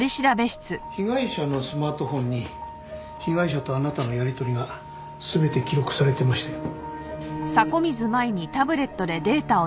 被害者のスマートフォンに被害者とあなたのやりとりが全て記録されてましたよ。